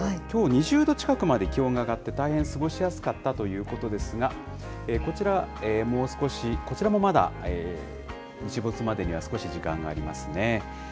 きょう２０度近くまで気温が上がって、大変過ごしやすかったということですが、こちら、もう少し、こちらもまだ日没までには、少し時間がありますね。